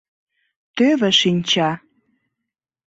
— Тӧвӧ шинча...